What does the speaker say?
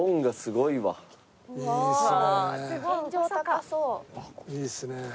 いいですね。